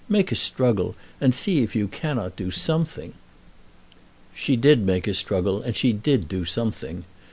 Make a struggle and see if you cannot do something." She did make a struggle, and she did do something.